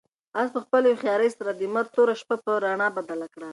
آس په خپلې هوښیارۍ سره د مرګ توره شپه په رڼا بدله کړه.